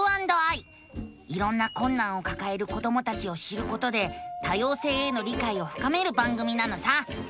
いろんなこんなんをかかえる子どもたちを知ることで多様性への理解をふかめる番組なのさ！